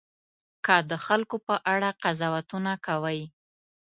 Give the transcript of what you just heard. که د خلکو په اړه قضاوتونه کوئ.